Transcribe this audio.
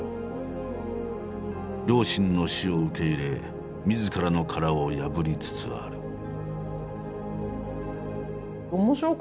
両親の死を受け入れみずからの殻を破りつつある。